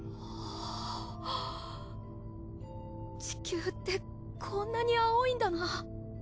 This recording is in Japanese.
地球ってこんなに青いんだな。